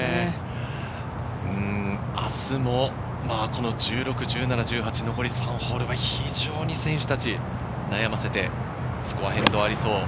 明日もこの１６、１７、１８、残り３ホールは非常に選手たちを悩ませてスコアに変動がありそう。